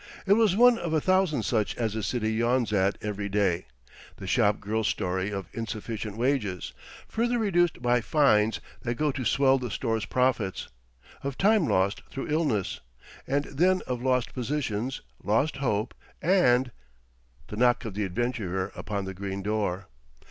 It was one of a thousand such as the city yawns at every day—the shop girl's story of insufficient wages, further reduced by "fines" that go to swell the store's profits; of time lost through illness; and then of lost positions, lost hope, and—the knock of the adventurer upon the green door.